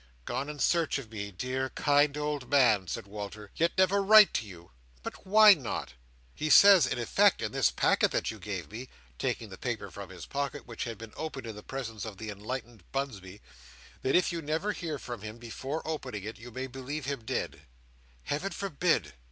"Gone in search of me, dear, kind old man," said Walter: "yet never write to you! But why not? He says, in effect, in this packet that you gave me," taking the paper from his pocket, which had been opened in the presence of the enlightened Bunsby, "that if you never hear from him before opening it, you may believe him dead. Heaven forbid!